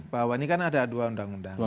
bahwa ini kan ada dua undang undang